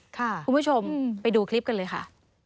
คุณผู้ชมไปดูคลิปกันเลยค่ะ